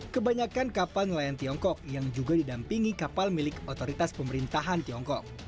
kebanyakan kapal nelayan tiongkok yang juga didampingi kapal milik otoritas pemerintahan tiongkok